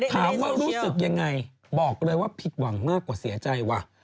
รู้สึกยังไงบอกเลยว่าผิดหวังมากกว่าเสียใจว่ะ